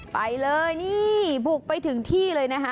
ไปเลยนี่บุกไปถึงที่เลยนะคะ